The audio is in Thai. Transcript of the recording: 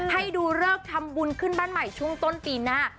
ให้ดูเลิกทำบุญขึ้นบ้านใหม่ช่วงต้นปีหน้า